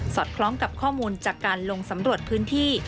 อดคล้องกับข้อมูลจากการลงสำรวจพื้นที่